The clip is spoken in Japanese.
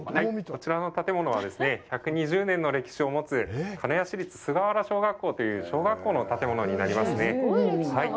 こちらの建物はですね、１２０年の歴史を持つ鹿屋市立菅原小学校という小学校の建物になりますね。